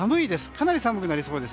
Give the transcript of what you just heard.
かなり寒くなりそうです。